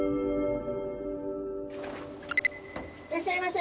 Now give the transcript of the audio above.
いらっしゃいませ。